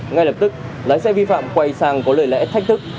ngay lập tức lái xe vi phạm quay sang có lời lẽ thách thức